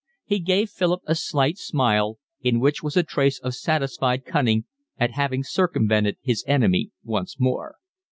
He gave Philip a slight smile, in which was a trace of satisfied cunning at having circumvented his enemy once more.